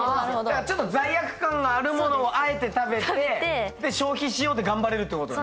ちょっと罪悪感があるものをあえて食べて消費しようって頑張れるってことね。